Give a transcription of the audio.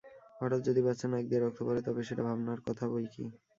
হঠাৎ যদি বাচ্চার নাক দিয়ে রক্ত পড়ে, তবে সেটা ভাবনার কথা বৈকি।